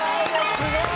すごーい！